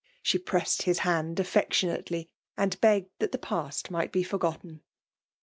She pressed his hand kffcctioiiatefy> and beggedthat the past might be forgotten.